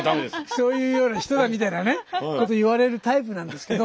そういうような人だみたいなねこと言われるタイプなんですけど。